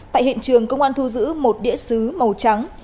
tại hiện trường công an thu giữ một đĩa xứ màu trắng